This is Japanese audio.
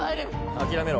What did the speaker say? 諦めろ